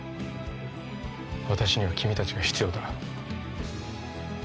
私には君達が必要だ